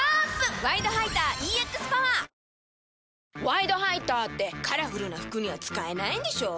「ワイドハイター」ってカラフルな服には使えないんでしょ？